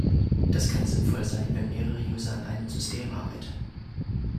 Das kann sinnvoll sein, wenn mehrere User an einem System arbeiten.